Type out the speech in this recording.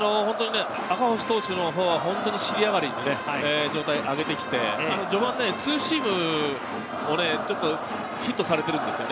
赤星投手は尻上がりに状態を上げてきて、序盤、ツーシームをね、ちょっとヒットされているんですよ。